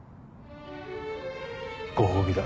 ご褒美だ。